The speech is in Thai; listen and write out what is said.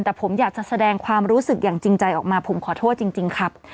แต่ผมอยากจะแสดงความรู้สึกอย่างจริงใจออกมาผมขอโทษจริงครับ